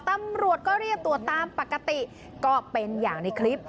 ตำรวจก็เรียกตรวจตามปกติก็เป็นอย่างในคลิป